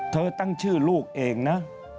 ตั้งชื่อลูกเองนะ